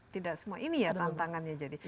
tidak semua ini ya tantangannya jadi